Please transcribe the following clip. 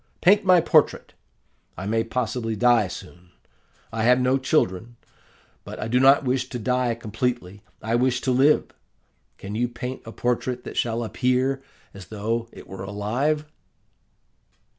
Paint my portrait. I may possibly die soon. I have no children; but I do not wish to die completely, I wish to live. Can you paint a portrait that shall appear as though it were alive?